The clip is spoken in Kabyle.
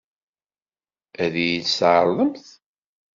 Ad iyi-tt-tɛeṛḍemt?